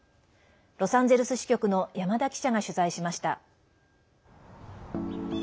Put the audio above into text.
ロサンゼルス支局の山田記者が取材しました。